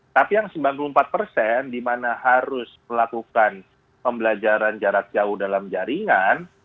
tapi yang sembilan puluh empat persen di mana harus melakukan pembelajaran jarak jauh dalam jaringan